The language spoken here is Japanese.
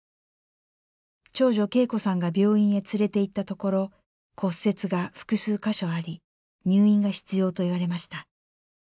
長女景子さんが病院へ連れて行ったところ骨折が複数箇所あり入院が必要と言われました。